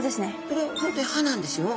これ本当に歯なんですよ。